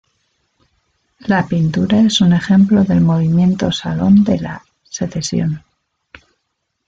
La pintura es un ejemplo del movimiento Salon de la Secesión.